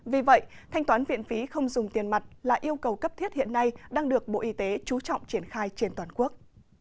vì vậy thanh toán viện phí không dùng tiền mặt là yêu cầu cấp thiết hiện nay đang được bộ y tế trú trọng triển khai trên toàn quốc